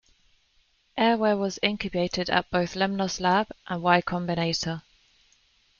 Airware was incubated at both Lemnos Labs and Y Combinator.